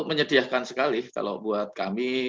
menyediakan sekali kalau buat kami